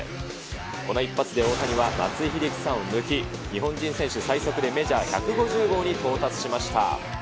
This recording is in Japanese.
この一発で大谷は松井秀喜さんを抜き、日本人選手最速でメジャー１５０号に到達しました。